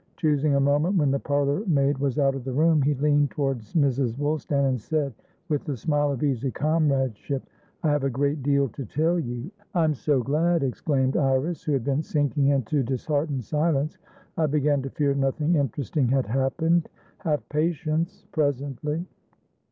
Choosing a moment when the parlour maid was out of the room, he leaned towards Mrs. Woolstan, and said, with the smile of easy comradeship: "I have a great deal to tell you." "I'm so glad!" exclaimed Iris, who had been sinking into a disheartened silence. "I began to fear nothing interesting had happened." "Have patience. Presently."